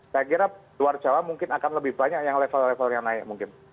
saya kira luar jawa mungkin akan lebih banyak yang level levelnya naik mungkin